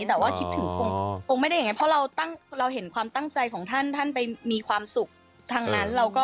แต่ว่าคิดถึงองค์ไม่ได้อย่างนี้เพราะเราเห็นความตั้งใจของท่านท่านไปมีความสุขทางนั้น